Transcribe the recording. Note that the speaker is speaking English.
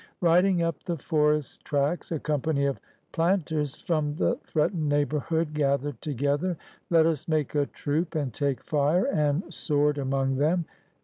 Biding up the forest tracks, a company of plant ers from the threatened neighborhood gath^ed together. ""Let us make a troop and take fire and sword among them